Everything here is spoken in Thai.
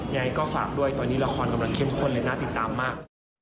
ยังไงก็ฝากด้วยตอนนี้ละครกำลังเข้มข้นเลยน่าติดตามมาก